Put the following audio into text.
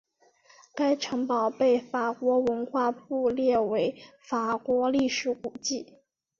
该城堡被法国文化部列为法国历史古迹。